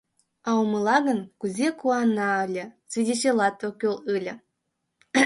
А умыла гын, кузе куана ыле, свидечылат ок кӱл ыле.